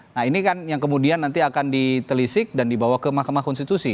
nah ini kan yang kemudian nanti akan ditelisik dan dibawa ke mahkamah konstitusi